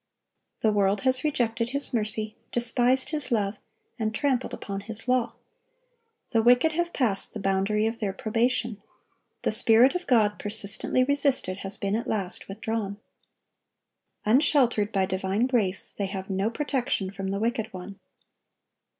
The world has rejected His mercy, despised His love, and trampled upon His law. The wicked have passed the boundary of their probation; the Spirit of God, persistently resisted, has been at last withdrawn. Unsheltered by divine grace, they have no protection from the wicked one.